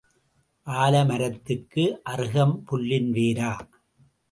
ஆலமரத்துக்கு அறுகம்புல்லின் வேரா?